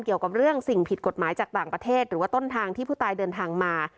เกี่ยวกับเรื่องสิ่งผิดกฎหมายจากต่างประเทศหรือว่าต้นทางที่ผู้ตายเดินทางมา